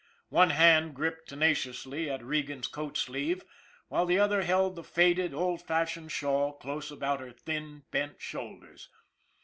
One hand gripped tenaciously at Regan's coat sleeve, while the other held the faded, old fashioned shawl close about her thin, bent shoulders.